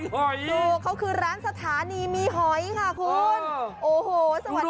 เหมือนเป็นร้านสะทานีมีหอยค่ะคุณ